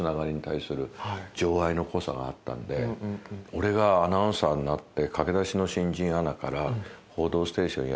俺がアナウンサーになって。